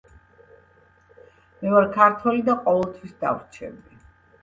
მე ვარ ქართველი და ყოველთის დავრჩები.